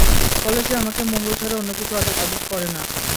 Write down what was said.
ফলে সে আমাকে মঙ্গল ছাড়া অন্য কিছুর আদেশ করে না।